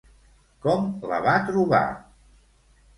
Com la va trobar?